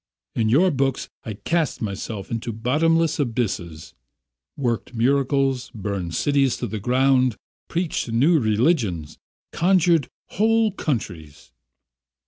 In your books I cast myself into bottomless abysses, worked miracles, burned cities to the ground, preached new religions, conquered whole countries...